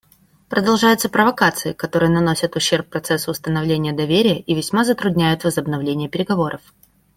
Продолжаются провокации, которые наносят ущерб процессу установления доверия и весьма затрудняют возобновление переговоров.